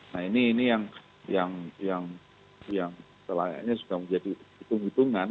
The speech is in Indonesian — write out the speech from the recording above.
nah ini yang selayaknya sudah menjadi hitung hitungan